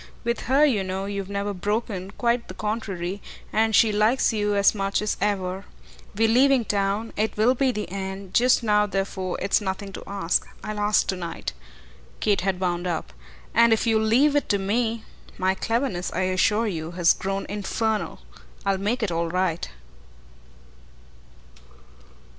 With her, you know, you've never broken, quite the contrary, and she likes you as much as ever. We're leaving town; it will be the end; just now therefore it's nothing to ask. I'll ask to night," Kate had wound up, "and if you'll leave it to me my cleverness, I assure you, has grown infernal I'll make it all right."